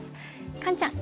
カンちゃん